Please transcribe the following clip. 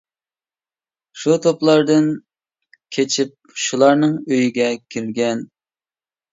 شۇ توپىلاردىن كېچىپ شۇلارنىڭ ئۆيىگە كىرگەن.